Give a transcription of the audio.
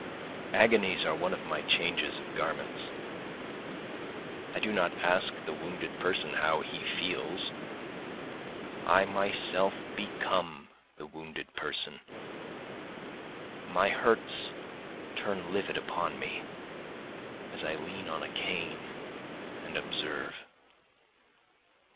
Agonies are one of my changes of garments, I do not ask the wounded person how he feels, I myself become the wounded person, My hurts turn livid upon me as I lean on a cane and observe.